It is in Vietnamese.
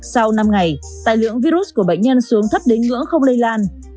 sau năm ngày tài lượng virus của bệnh nhân xuống thấp đến ngưỡng không lây lan